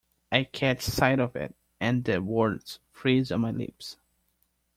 I catch sight of it, and the words freeze on my lips.